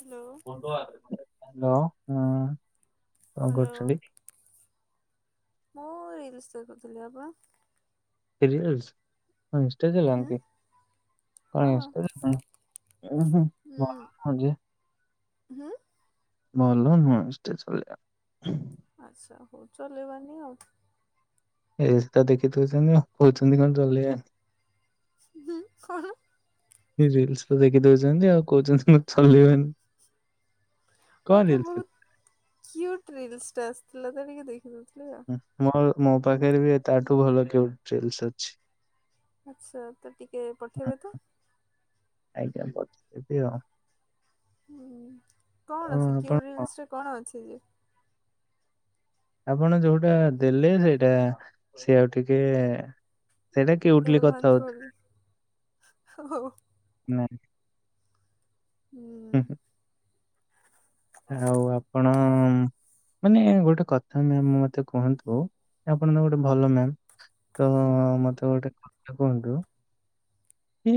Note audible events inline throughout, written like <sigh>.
Hello କଣ hello କରୁଛନ୍ତି? କୋଉ ରିଲସ୍ ଦେଖୁଥିଲେ ବା? ହେଲି ରୋଷ ହୁଁ ହଁ <inaudible> <unintelligible> ଉଁ ହୁଁ। ଭଲ ନୁହଁ <inaudible> ଆଚ୍ଛା ହଉ ଚଲେଇବାନି ଆଉ। ଏଜ ଦେଖିଥାଉଛନ୍ତି କହୁଛନ୍ତି କଣ ଚଲେଇବ <inaudible> ହଁ ହଁ <inaudible> ରିଲସ୍ ତ ଦେଖିଦଉଚନ୍ତି ଆଉ କହୁଚନ୍ତି କଁ ଚଲିବନି ହଁ ପା ବହୁତ୍ କ୍ୟୁଟ୍ ରିଲ୍ସ ଟା ଆସିଥିଲା ତ ଟିକେ ଦେଖିଦଉଥିଲି ଆଉ ମୋହ ମୋ ପାଖରେ ବି ତାଠୁ ଭଲ କ୍ୟୁଟ୍ ରିଲସ୍ ଅଛି। ଆଚ୍ଛା ତ ଟିକେ ହଁ ପଠେଇବେ ତ ଆଜ୍ଞା ପଠେଇବି ଆଉ ହୁଁ କଣ ଆଉ ସେ କ୍ୟୁ ଆପଣ ରିଲ୍ସରେ କଣ ଅଛି ଯେ ଆପଣ ଯୋଉଟା ଦେଲେ ସେଇଟା ସେ ଆଉ ଟିକେ ସେଇଟା କ୍ୟୁଟଲି କଥା ଏଡ଼ଭାନ୍ସ ହଉଥିଲେ ବୋଲି ହ <inaudible> ହୁଁ <inaudible> ହୁଁ। ହୁଁ ହୁଁ। ଆଉ ଆପଣ ମାନେ ଗୋଟେ କଥା ମ୍ୟାମ୍ ମତେ କୁହନ୍ତୁ ଆପଣ ଗୋଟେ ଭଲ ମ୍ୟାମ୍ ତ ହୁଁ ମତେ ଗୋଟେ କଥା କହନ୍ତୁ କି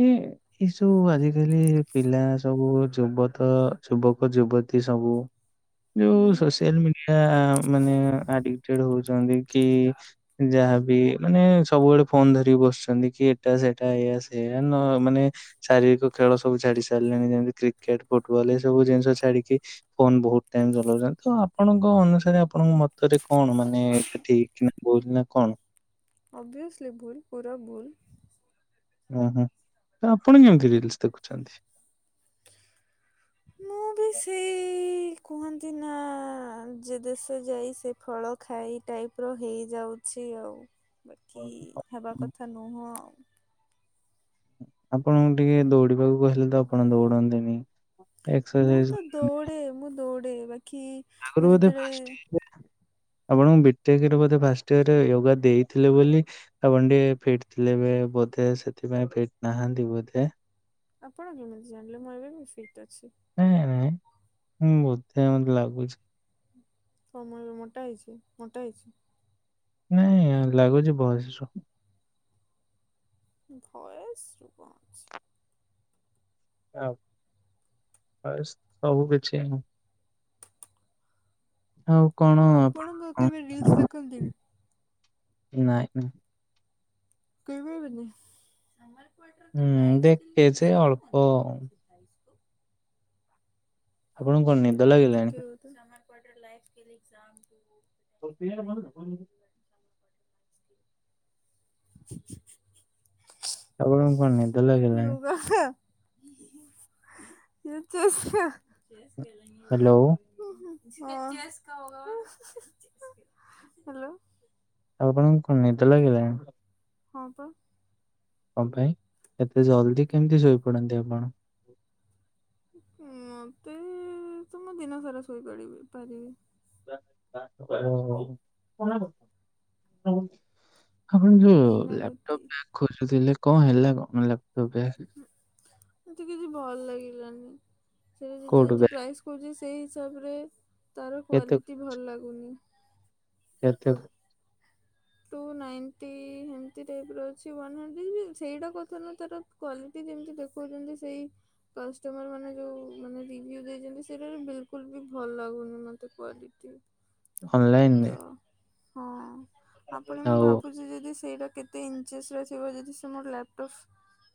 ଏ ସବୁ ଆଜିକାଲି ପିଲା ସବୁ ଯୁବତ ଯୁବକ ଯୁବ ତୀ ସବୁ ଯୋଉ ହୁଁ ସୋସିଆଲ୍ ମିଡିଆ ମାନେ ଆଡିକ୍ ଟେଡ୍ ହଉ ଚନ୍ତି କି ଯାହାବି ମାନେ ସବୁବେଳେ ଫୋନ୍ ଧରିକି ବସିଚନ୍ତି କି ଏଟା ସେଟା ଏୟା ସେୟା ନ ମାନେ ଶାରୀରିକ ଖେଳ ସବୁ ଛାଡି ସାରିଲେଣି ଯେମିତି କ୍ରିକେଟ୍ ଫୁଟବଲ୍ ଏ ସବୁ ଜିନିଷ ଛାଡିକି ଫୋନ୍ ବହୁତ ଟାଇମ୍ ଚଲାଉଚନ୍ତି ତ ଆପଣଙ୍କ ଅନୁସାରେ ଆପଣଙ୍କ ମତରେ କଣ ମାନେ ଏଟା ଠିକ୍ କହୁଥିଲ <inaudible> ନା କଣ ଅବିଅସ୍ଲି ଭୁଲ୍ ପୁରା ଭୁଲ୍। ଓହୋ ତ ଆପଣ କେମିତି ରିଲସ୍ ଦେଖୁଛନ୍ତି? ମୁଁ ବି ସେଇ କୁହନ୍ତି ନା ଯେ ଦେଶ ଯାଇ ସେ ଫଳ ଖାଇ ଟାଇପ୍ ର ହେଇଯାଉଛି ଆଉ ବାକି ହେବା କଥା ନୁହଁ ଆଉ। ଆପଣଙ୍କୁ ଟିକେ ଦୌଡିବାକୁ କହିଲେ ତ ଆପଣ ଦୌଡନ୍ତିନି। ମୁଁ ଏକ୍ସରସାଇଜ ତ କରନ୍ତି। ଦୌଡେ ମୁଁ ଦୌଡେ ବାକି। ମୁଁ ଆଗରୁ ବଧେ ଯେତେବେଳେ ଫାଷ୍ଟିଙ୍ଗ ହୁଏ। ଆପଣଙ୍କୁ ବିଟେକରେ ବୋଧେ ଫାଷ୍ଟ ଇୟରରେ ୟୋଗା ଦେଇଥିଲେ ବୋଲି। ଆପଣ ଟିକିଏ ଫିଟ ଥିଲେ ଏବେ ବୋଧେ ସେଥିପାଇଁ ଫିଟ ନାହାନ୍ତି ବୋଧେ। ଆପଣ କେମିତି ଜାଣିଲେ ମୁଁ ଏବେ ବି ଫିଟ୍ ଅଛି। ନାଇଁ ନାଇଁଁ ବୋଧେ ମତେ ଲାଗୁଛି। <unintelligible> ମୋଟା ହେଇଛି ମୋଟା ହେଇଛି। ନାଇଁ ଲାଗୁଛି ଭଏସରୁ। ଭଏସ ରୁ କଣ ଅଛି। ଆଉ ଭଏସ ସବୁ କିଛି। ଆଉ କଣ ଆପଣଙ୍କ ଆପଣ କେବେ ରିଲ୍ସ ଦେଖନ୍ତିନି ନାଇଁ। କହିବ ବେନି। ସମମଲପଟ ହୁଁ ଦେଖେଯେ ଅଳ୍ପ। ଆାଇସ୍ ଆପଣଙ୍କୁ କଣ ନିଦ ଲାଗିଲାଣି। <unintelligible> ତ ପିନ ଆପଣଙ୍କୁ କଣ ନିଦ ଲାଗିଲାଣି? ଯୋଗା ହ୍ୟାଲୋ <unintelligible> ହାଲୋ। ଆଉ ଆପଣଙ୍କୁ କଣ ନିଦ ଲାଗିଲାଣି। ହଁ ବା। କଣ ପାଇଁ ଏତେ ଜଲଦି କେମିତି ଶୋଇପଡନ୍ତି ଆପଣ। ମତେ ତ ମୁଁ ଦିନ ସାରା ଶୋଇପଡିବି ପାରିବି। କର ଆପଣ ଯୋଉ ଦିନ ରାତି ଲାପଟପ୍ ବା ଖୋଜୁଥିଲେ କଣ ହେଲା କଣ ହେଲା କଁ ଲାପଟପ ମତେ କିଛି ଭଲ ଲାଗିଲାନି ସେ ଯ କୋଉଠୁ ଯଦି ବ୍ୟାଗ୍ ପ୍ରାଇସ୍ କହୁଜି ସେଇ ହିସାବରେ ତାର କେତେ କ୍ଵାଲିଟି ଭଲ ଲାଗୁନି। କେତେ ଟୁ ନାଇଣ୍ଟି ହେମିତି ଟାଇପ୍ର ଅଛି ୱାନ୍ ହାଣ୍ଡ୍ରେଡ଼ ସେଇଟା କଥା ନୁହଁ ତାର କ୍ଵାଲିଟି ଯେମିତି ଦେଖଉଛନ୍ତି ସେଇ କଷ୍ଟମର ମାନେ ଯୋଉ ମାନେ ରିଭିଓ ଦେଇଛନ୍ତି ସେଟାରେ ବିଲକୁଲ ବି ଭଲ ଲାଗୁନି ମତେ କ୍ୱଲିଟି। ଅନଲାଇନରେ। ହଁ ଆପଣ ମୁଁ ଆଉ ଭାବୁ ଯଦି ସେଇଟା କେତେ ଇଚେସ ଥିବ ଯଦି ସେ ମୋର ଲାପଟପ୍।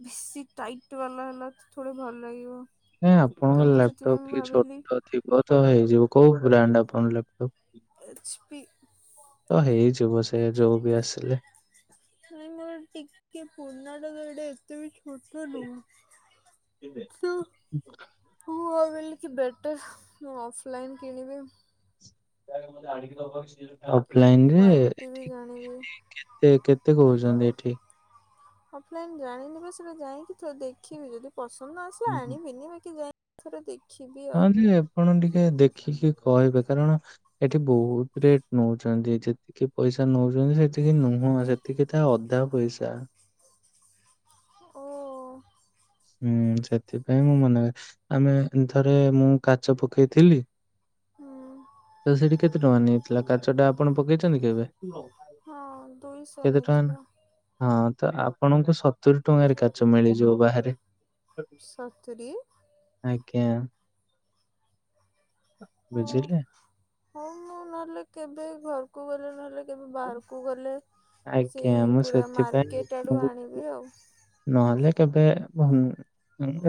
ବେଶୀ ଟାଇଟ୍ ବାଲା ହେଲା ତ ଥୋଡ଼ ଭଲ ଲାଗିବ। ନାଇ ଆପଣଙ୍କ ତ ମୁଁ ସେଥିପାଇଁ ଲାପଟପ୍ ମୁଁ ଟିକେ ଭାବିଲି ଛୋଟ ଥିବ ତ ହେଇଯିବ କୋଉ ବ୍ରାଣ୍ଡ ଆପଣଙ୍କ ଲାପଟପ୍? ଏଚ୍ ପି ତ ହେଇଯିବ ସେ ଯୋଉ ବି ଆସିଲେ। ନା ମର ଟିକେ ପୁର୍ଣାଟା ଗଟେ ଏତେ ବି ଛୋଟ ନୁହଁ। କିେ ହଁ ଆଉ ବେଲିକ ବେଟର୍ ଅଫଲାଇନ୍ କିଣିବି ଆଉ। ଅଫଲାଇନରେ କ୍ୱାଲିଟି ବି <unintelligible> ଜାଣିବି। ସେ କେତେ କହୁଚନ୍ତି ଏଠି? ଅଫଲାଇନ ଜାଣିନି ବା ସେଇଟା ଯାଇକି ତ ଦେଖିବି ଯଦି ପସନ୍ଦ ନ ଆସିଲା ଏଠି? ଆଣିବିନି ବାକି ଯା ଥରେ ଦେଖିବି ହଁ ଆଉ। ଯେ ଆପଣ ଟିକେ ଦେଖିକି କହିବେ କାରଣ ଏଠି ବହୁତ ରେଟ ନଉଛନ୍ତି। ପଇସା ନଉଛନ୍ତି ସେତିକି ନୁହଁ ସେତିକି ତା ଅଧା ପଇସା। ଓ। ହୁଁ ସେଥିପାଇଁ ମୁଁ ମନାକରେ ଆମେ ଥରେ ମୁଁ କାଚ ପକେଇଥିଲି। ହୁଁ ତ ସେଠି କେତେ ଟଙ୍କା ନେଇଥିଲା କାଚ ଟା ଆପଣ ପକେଇଛନ୍ତି କେବେ? ହଁ ଦୁଇଶ କେତେ ଟଙ୍କା ନା ନେଇଥିଲ। ହଁ ତ ଆପଣଙ୍କୁ ସତୁରି ଟଙ୍କାରେ କାଚ ମିଳିଯିବ ବାହାରେ। ସତୁରି। ଆଜ୍ଞା ବୁଝିଲେ। ହଁ ମୁଁ ନହେଲେ କେବେ ଘରକୁ ଗଲେ ନହେଲେ କେବେ ବାହାରକୁ ଗଲେ ଆଜ୍ଞା ସେଇ ମୁଁ ପୁରା ମାର୍କେଟ ଆଡ଼ୁ ଆଣିବି ଆଉ। ନହଲେ କେବେ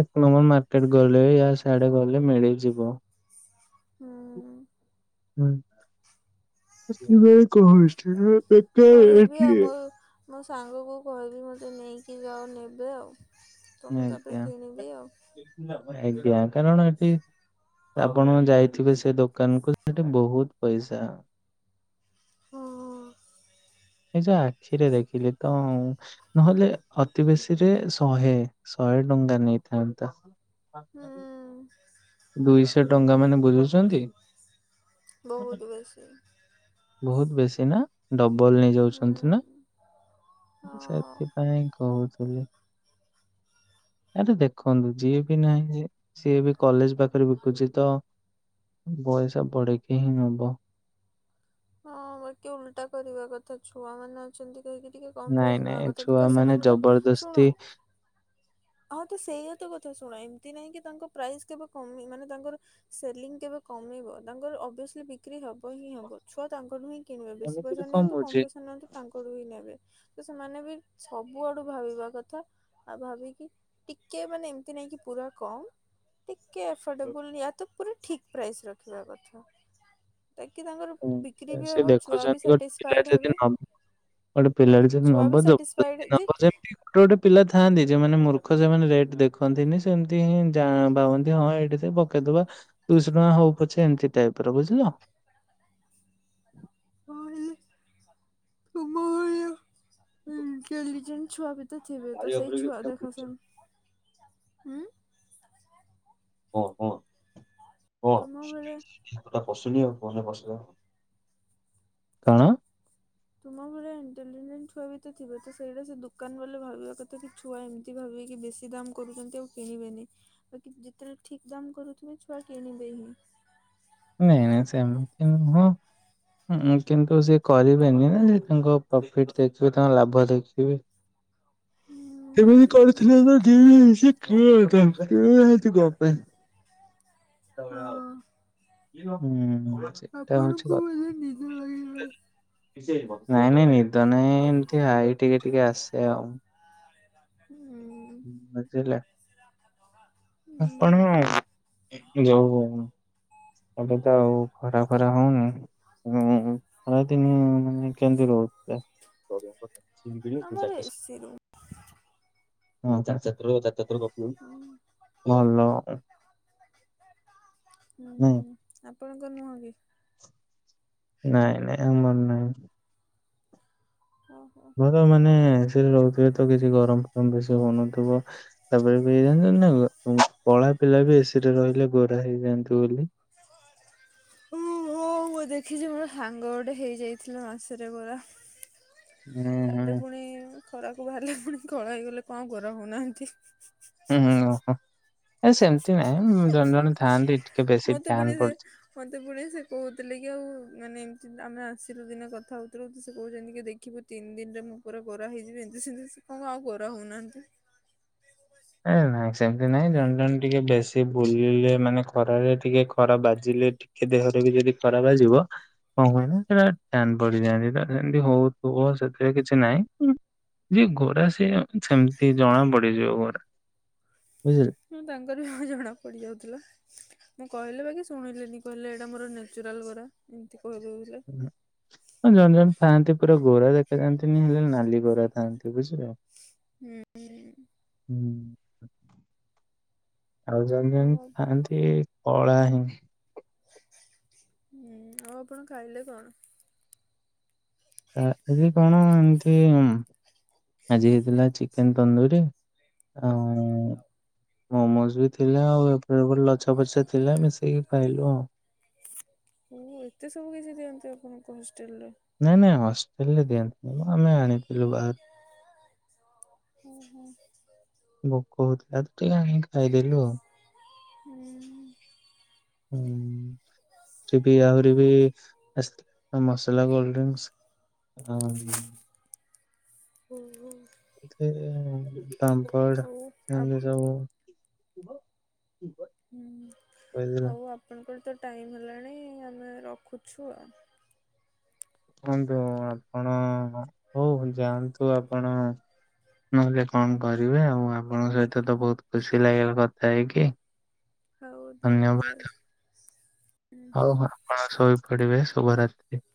ଏକ ନମ୍ବର ମାର୍କେଟ ଗଲେ ୟା ସିଆଡେ ଗଲେ ମିଳି ଯିବ। ହୁଁ। ହୁଁ, <unintelligible> କହିବି ଏଠି ଆମ ମୋ ସାଙ୍ଗକୁ କହିବି ମୋତେ ନେଇକି ଜାଅ ନେବେ ଆଉ। ତ ମୁଁ ତାପରେ କିଣିବି ଆଉ। ଆଜ୍ଞା ଆଜ୍ଞା, କାରଣ ଏଟି ଆପଣ ଯାଇଥିବେ ସେ ଦୋକାନ କୁ ସେଠି ବହୁତ ପଇସା। ହଁ। ନିଜ ଆଖିରେ ଦେଖିଲି ତ ନହେଲେ ଅତି ବେଶୀ ରେ ଶହେ ଶହେ ଟଙ୍କା ନେଇଥାନ୍ତା। ଦୁଇଶ ଟଙ୍କା ମାନେ ବୁଝୁଛନ୍ତି। ବହୁତ ବେଶୀ। ବହୁତ ବେଶୀ ନା, ଡବଲ ନେଇ ହୁଁ ଯାଉଛନ୍ତି ନା। ହଁ। ସେଥିପାଇଁ କହୁଥିଲି। ଆରେ ଦେଖନ୍ତୁ ଯିଏ କି ନାହିଁ ସିଏ ବି କଲେଜ ପାଖରେ ବିକୁଛି ତ ବଇସା ବଢେଇକି ହିଁ ନବ। ହଁ ବାକି ଅଲଟା କରିବା କଥା ଛୁଆମାନେ ଅ ଛନ୍ତି କହିକି ଟିକେ ନାଇଁ କମ୍ପ୍ରାଇଜ ନବା ନାଇଁ କଥା ଛୁଆ ବିକଜ ମାନେ ସେମାନଙ୍କ ଜବରଦସ୍ତି ଶୁଣ ହଁ ତ ସେଇଆ ତ କଥା ଶୁଣ ଏମିତି ନାହିଁ କି ତାଙ୍କ ପ୍ରାଇସ୍ କେବେ କମି ମାନେ ତାଙ୍କର ସେଲିଂ କେବେ କମେଇବ ତାଙ୍କର ଅବ୍ସଲି ବିକ୍ରି ହବ ହିଁ ହବ ଛୁଆ ତାଙ୍କଠୁ ହିଁ କିଣିବେ, ବେଶୀ ଏମିତିରେ ପଇସା କଣ ନିଅନ୍ତୁ କମ୍ ବୁଝେ। ପଇସା ନିଅନ୍ତୁ। ତାଙ୍କଠୁ ବିି ନେବେ, ତ ସେମାନେ ବି ସବୁଆଡୁ ଭାବିବା କଥା, ଆଉ ଭାବିକି ଟିକେ ମାନେ ଏମିତି ନାଇଁ କି ପୁରା କମ, ଟିକେ ଏଫୋର୍ଡେବୁଲ ୟା ତ ପୁରା ଠିକ୍ ପ୍ରାଇସ୍ ରଖିବା କଥା। ତାକି ତାଙ୍କର ହୁଁ ବିକ୍ରି ବି ସେ ହବ ଛୁଆ ବି ଦେଖୁଛନ୍ତି ଗୋଟେ ପିଲା ସାଟିସ୍ଫାଇଏଡ ଯଦି ହେବେ। ନ ଗୋଟେ ପିଲାଟେ ଯଦି ଛୁଆ ନବ ବି ଜବରଦସ୍ତି ସେଟିସଫାଇଡ ଯେ ନବ ଯେମିତି ଗୋଟେ ଗୋଟେ ପିଲା ଥାଆନ୍ତି ଯେଉମାନେ ମୂର୍ଖ ସେମାନେ ରେଟ ଦେଖନ୍ତିନି ସେମିତି ହିଁ ଭାବନ୍ତି ହଁ ଏଠି ସେ ପ କେଦବା ଦୁଇଶହ ଟଙ୍କା ହଉ ପଛେ ଏମତି ଟାଇପ ର ବୁଝିଲ। <unintelligible> ଇଣ୍ଟେଲିଯେନ୍ଟ ଛୁଆ କେତେ ଥିବେ ତ ସେଇ ଛୁଆ ଦେଖ ସେମ ଉଁ। କଁ କଁ କଣ ତୁମ କଣ ବେଳେ ହାତ ଟା ପଶୁନେଇଁ <inaudible> ତୁମ ଭଳିଆ ଇଣ୍ଟେଲିଜେଣ୍ଟ ଛୁଆ ବିିତ ତ ଥିବେ। ତ ସେଇଟା ସେ ଦୋକାନ ବାଲା ଭାବିବା କଥା କି ଛୁଆ ଏମ୍ତି ଭାବିବେ କି ବେଶୀ ଦାମ୍ କରୁଚନ୍ତି ଆଉ କିଣିବେନି। ବାକି ଯେତେବେଳେ ଠିକ୍ ଦାମ୍ କରୁଥିବେ ଛୁଆ କିଣିବେ ହିଁ। ନାଇଁ ନାଇଁ ସେମ୍ତି ନୁହଁ। ହୁଁ କିନ୍ତୁ ସେ କରିବେନି ନା ସେ ତାଙ୍କ ପ୍ରଫିଟ୍ ଦେଖିବେ, ତାଙ୍କ ଲାଭ ଦେଖିବେ। ହୁଁ, ହ। ତେମିତି କରିଥିଲେ ତ ଜିମିନି ସିଏ କିଏ କଁ କରିବେ ଉଆ ହେଇଛି କଁ ପାଇଁ? ହଁ ହୁଁ ହୁଁ। ସେଟା ହଉଛି ଆପଣଙ୍କୁ କଥା ମଧ୍ୟ ନିଦ ଲାଗିଲା। ନାଇଁ ନାଇଁ ନିଦ ନାହିଁ ଏମିତି ହାଇ ଟିକେ ଟିକେ ଆସେ ଆଉ। ହୁଁ। ବୁଝିଲ, ଆପଣ ହୁଁ ଯୋଉ ଏବେ ତ ଆଉ ଖରା ଫରା ହୋଉନି। ହୁଁ ଖରା ଦିନେ ମାନେ କେମିତି ରୋହୁଥିବେ? ଆମର ଏ ସି ରୁମ୍। ହଁ ଚାର୍ ଚାର୍ ଥର ଚାର୍ ଚାର୍ ଥର ଗପିବୁ। ହୁଁ ଭଲ ଆଉ। ହୁଁ ନାଇଁ ହୁଁ। ଆପଣଙ୍କ ନୁହଁ କି? ନାଇଁ ନାଇଁ ଆମର ନାହିଁ। ଓ ହୋ। ହଁ ତମେ ମାନେ ସେଠି ରୋହୁଥିବେ ତ କିଛି ଗରମ୍ ଫରମ୍ ବେଶୀ ହୋଉନଥିବ। ତାପରେ ବି ଜାଣିଚନ୍ତିନା କଁ? କଳା ପିଲା ବି ଏସିରେ ରହିଲେ ଗୋରା ହେଇଯାଆନ୍ତି ବୋଲି। ହୁଁ ହଁ, ମୁଁ ଦେଖିଛି ମୋର ସାଙ୍ଗ ଗୋଟେ ହେଇଯାଇଥିଲା ମାସରେ ଗୋରା। ହୁଁ ହଁ। ସିଏ ପୁଣି ଖରାକୁ ବାହାରିଲେ ପୁଣି କଳା ହେଇଗଲେ କଁ ଗୋରା ହଉନାହାନ୍ତି। ହୁଁ ହୁଁ, ଓହୋ ଏ ସେମ୍ତି ନାଇଁ ଜଣେ ଜଣେ ଥାଆନ୍ତି ଟିକେ ବେଶୀ ଫ୍ୟାନ୍ ପଡୁଛି ଫୋନତେ ପଳିଆ ସେ କୋହୁଥିଲେ କି ଆଉ ମାନେ ଏମ୍ତି ସେମ୍ତି ଆମେ ଆସିଲୁ ଦିନେ କଥା ହଉଥିଲୁ କି ସେ କୋହୁଚନ୍ତି କି ଦେଖିବୁ ତିନ୍ ଦିନ୍ ରେ ମୁଁ ପୁର ଗୋରା ହେଇଯିବି, ଏମତି ସେମିତି ସେ କଁ ଆଉ ଗୋରା ହୋଉନାହାନ୍ତି। ଏ ନାଈଁ ସେମିତି ନାଇଁ ଜଣେ ଜଣେ ଟିକେ ବେଶୀ ବୁଲିଲେ ମାନେ ଖରାରେ ଟିକେ ଖରା ବାଜିଲେ ଟି କି ଦେହରେ ବି ଯଦି ଖରା ବାଯିବ। କଁ ହୁଏ ନା ସେଟା ଟ୍ୟାନ୍ ପଡିଯାଆନ୍ତି ତାଧେରେ ସେମ୍ତି ହୋଉଥିବ ସେଥିରେ କିଛି ନାଇଁ। ଯିଏ ଗୋରା ସିଏ ସେମ୍ତି ଜଣା ପଡିଯିବ ଗୋରା। ବୁଝିଲେ? ହଁ, ତାଙ୍କର ବି ଜଣା ପଡି ଯାଉଥିଲା। ମୁଁ କହିଲି ବାକି ଶୁଣିଲିନି କହିଲେ ଏଇଟା ମୋର ନେଚୁରାଲ୍ ଗୋରା। ଏମ୍ତି କହିଲେକି ସେ। ହୁଁ। <inaudible> ହଁ, ଜଣେ ଜଣ ଥାଆନ୍ତି ପୁରା ଗୋରା ଦେଖାଯାଆନ୍ତିନି ହେଲେ ନାଲି ଗୋରା ଥାଆନ୍ତି ବୁଝିଲେ? ହୁଁ ହୁଁ। ହଁ, ଆଉ ଜଣେ ଆଉ ଜଣେ ଥାଥାନ୍ତି। ସିଏ କଳା ହିଁ। ହୁଁ। ଆଉ ଆପଣ ଖାଇଲେ କଣ? ଆଁ ଇଏ ଏକଣ ଏମ୍ତି ଉଁ ଆଜି ହେଇଥିଲା ଚିକେନ୍ ତନ୍ଦୁରୀ ଆଉ ମୋମୋଜ୍ ବି ଥିଲା ଆଉ ଏତେ ବେଳୁ ଲଛା ପଛା ଥିଲା ମିଶେଇକି ଖାଇଲୁ ଆଉ। ମୁଁ କଇଲି ଏତେ ସବୁ କିଛି ଦିଅନ୍ତି ଆପଣଙ୍କ ହଷ୍ଟେଲରେ? ନାଇଁ ନାଇଁ, ହଷ୍ଟେଲ ରେ ଦିଅନ୍ତିନି। ଆମେ ଆଣିଥିଲୁ ପା ଓଃ। <unintelligible> ଭୋକ ହଉଥିଲା। ଟିକେଖାଇଦେଲୁ ଆଉ। ହୁଁ। <unintelligible> ସେଟି ଆହୁରି ବି ଏସ୍ ମସଲା କୋଲଡଡ୍ରିଂଙ୍କସ୍ ହୁହୁ। ଏଥିରେ ହଉ ଆ ତାଙ୍କପାମ୍ପାଡହେଲେଶବୁ। ହଉ ଆପଣଙ୍କର ତ ଟାଇମ୍ ହେଲାଣି ଆମେ ରଖୁଛୁ ଆଉ। କୁହନ୍ତୁ ଆପଣ ହୋଉ ଯାଆନ୍ତୁ ଆପଣ ନହେଲେ କଣ କରିବେ ଆଉ ଆପଣଙ୍କ ସହିତ ତ ବହୁତ ଖୁସି ଲାଗିଲା କଥା ହେଇକି। <unintelligible> ହଉ ଧନ୍ୟବାଦ୍। ହଉ ଆପଣ ଶୋଇପଡିବେ ଶୁଭରାତ୍ରି।